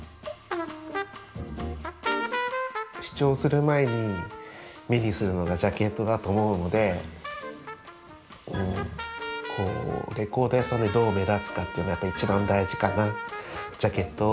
試聴する前に目にするのがジャケットだと思うのでレコード屋さんでどう目立つかっていうのやっぱ一番大事かな。